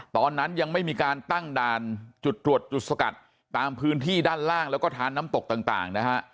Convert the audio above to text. ตอนนั้นยังไม่มีการตั้งด่านจุดตรวจจุดสกัดตามพื้นที่ด้านล่างแล้วก็ทานน้ำตกต่างนะฮะ